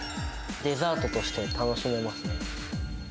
デザートとして楽しめますね。